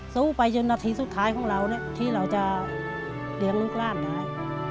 สู้ไปจนนาทีสุดท้ายของเราที่เราจะเลี้ยงลูกร่านได้